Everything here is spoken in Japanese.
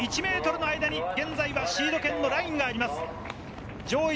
この２人の１ｍの間に現在はシード権のラインがあります。